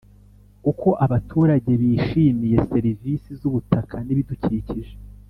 Uko abaturage bishimiye serivisi z ubutaka n ibidukikije